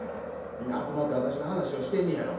皆集まって私の話をしてんねやろ？」。